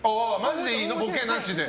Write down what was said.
ボケなしで。